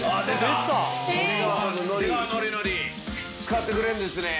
使ってくれるんですね。